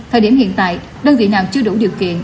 thời điểm hiện tại đơn vị nào chưa đủ điều kiện